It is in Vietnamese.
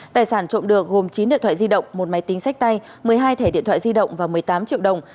tài sản trộm được gồm chín điện thoại di động một máy tính sách tay một mươi hai thẻ điện thoại di động và một mươi tám triệu đồng